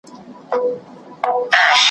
چي هر څه يې شاوخوا پسي نارې كړې ,